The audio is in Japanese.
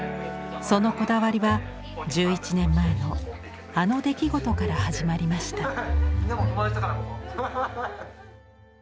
そのこだわりは１１年前のあの出来事から始まりました。